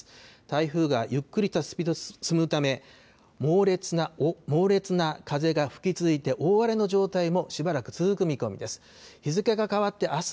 台風がゆっくりとしたスピードで進むため、猛烈な風が吹き続いて、大荒れの状態もしばらく続く見込みです。